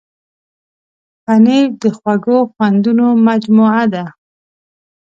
پنېر د خوږو خوندونو مجموعه ده.